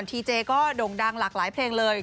ทีเจก็โด่งดังหลากหลายเพลงเลย